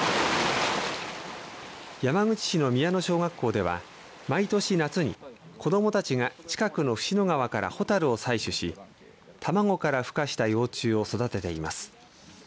山口市の宮野小学校では毎年夏に、子どもたちが近くの椹野川から蛍を採取し卵からふ化した幼虫を育てています。